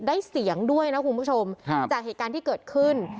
เสียงด้วยนะคุณผู้ชมจากเหตุการณ์ที่เกิดขึ้น